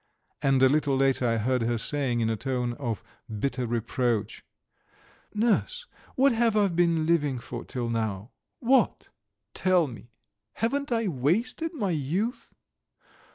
And a little later I heard her saying, in a tone of bitter reproach: "Nurse, what have I been living for till now? What? Tell me, haven't I wasted my youth?